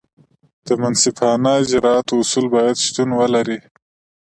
د منصفانه اجراآتو اصول باید شتون ولري.